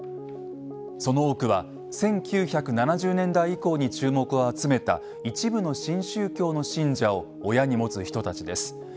その多くは１９７０年代以降に注目を集めた一部の新宗教の信者を親に持つ人たちです。